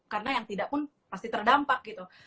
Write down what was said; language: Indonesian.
karena yang tidak pun pasti terdampak gitu